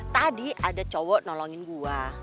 tadi ada cowok nolongin gue